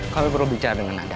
kami perlu bicara dengan anda